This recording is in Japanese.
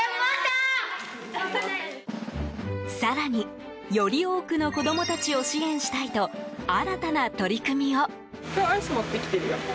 更に、より多くの子供たちを支援したいと新たな取り組みを。